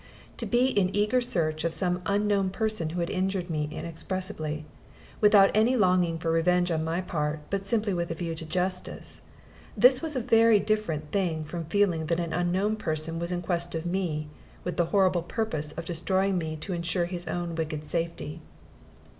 To be in eager search of some unknown person who had injured me inexpressibly, without any longing for revenge on my part, but simply with a view to justice this was a very different thing from feeling that an unknown person was in quest of me, with the horrible purpose of destroying me to insure his own wicked safety.